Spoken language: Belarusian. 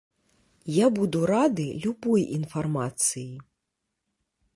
Я буду рады любой інфармацыі.